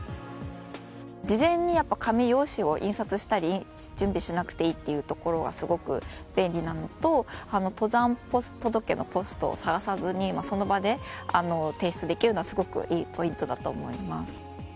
事前にやはり用紙を、紙を印刷したり、準備しなくていいっていうところがすごく便利なのと、登山届のポストを探さずに、その場で、提出できるのはすごくいいポイントだと思います。